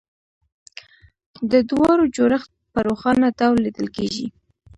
د دواړو جوړښت په روښانه ډول لیدل کېږي